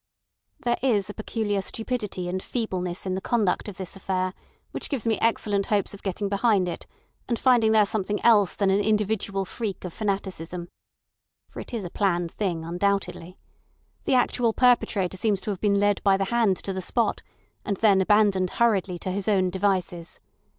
"There is a peculiar stupidity and feebleness in the conduct of this affair which gives me excellent hopes of getting behind it and finding there something else than an individual freak of fanaticism. For it is a planned thing, undoubtedly. The actual perpetrator seems to have been led by the hand to the spot, and then abandoned hurriedly to his own devices.